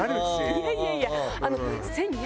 いやいやいや。